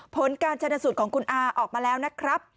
ผลการชนสูตรของคุณอาออกมาแล้วนะครับ